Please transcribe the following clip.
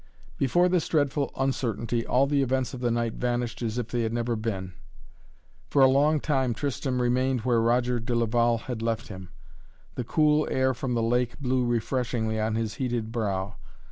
Before this dreadful uncertainty all the events of the night vanished as if they had never been. For a long time Tristan remained where Roger de Laval had left him. The cool air from the lake blew refreshingly on his heated brow.